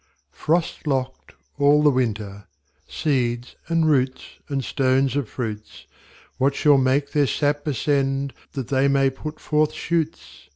Frost locked all the winter, Seeds, and roots, and stones of fruits, What shall make their sap ascend That they may put forth shoots?